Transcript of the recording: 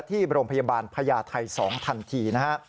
ที่โรงพยาบาลพญาไทย๒ทันทีนะฮะ